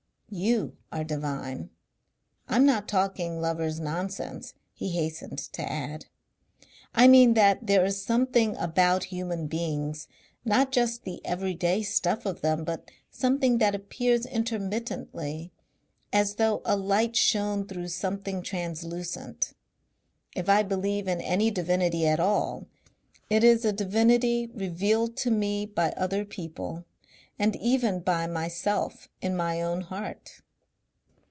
"YOU are divine.... I'm not talking lovers' nonsense," he hastened to add. "I mean that there is something about human beings not just the everyday stuff of them, but something that appears intermittently as though a light shone through something translucent. If I believe in any divinity at all it is a divinity revealed to me by other people And even by myself in my own heart.